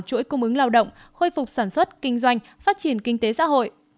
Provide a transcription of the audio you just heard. chuỗi cung ứng lao động khôi phục sản xuất kinh doanh phát triển kinh tế xã hội